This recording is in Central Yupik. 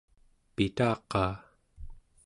pitaqaa